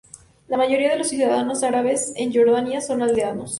La mayoría de los ciudadanos árabes en Jordania son aldeanos.